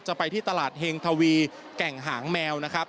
จะไปที่ตลาดเฮงทวีแก่งหางแมวนะครับ